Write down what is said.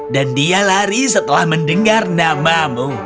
dan dia lari setelah mendengar namamu